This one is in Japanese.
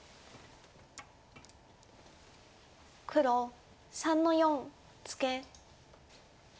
黒３の四ツケ。